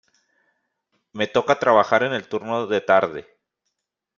Me toca trabajar en el turno de tarde.